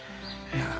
いや。